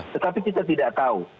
tetapi kita tidak tahu